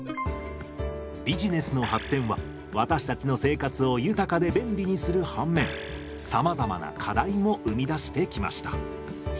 ビジネスの発展は私たちの生活を豊かで便利にする反面さまざまな課題も生み出してきました。